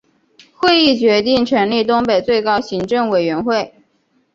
会议决定成立东北最高行政委员会。